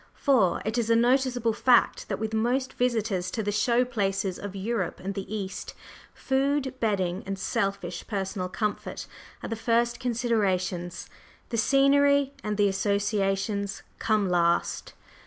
For it is a noticeable fact that with most visitors to the "show" places of Europe and the East, food, bedding and selfish personal comfort are the first considerations, the scenery and the associations come last.